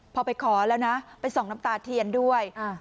พอไปขอแล้วนะไปส่องน้ำตาเทียนด้วย